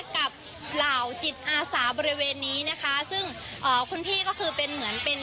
เหล่าจิตอาสาบริเวณนี้นะคะซึ่งเอ่อคุณพี่ก็คือเป็นเหมือนเป็น